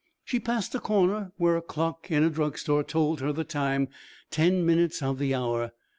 She passed a corner where a clock in a drug store told her the time ten minutes of the hour.